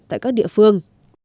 tại các địa phương